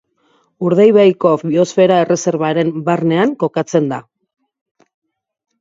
Urdaibaiko Biosfera Erreserbaren barnean kokatzen da.